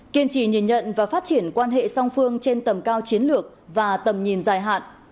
kiên trì nhìn nhận và phát triển quan hệ song phương trên tầm cao chiến lược và tầm nhìn dài hạn